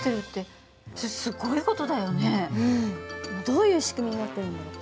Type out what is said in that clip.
どういう仕組みになってるんだろう？